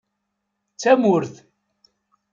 D tamurt.